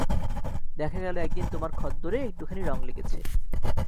দেখা গেল একদিন তোমার খদ্দরে একটুখানি রঙ লেগেছে।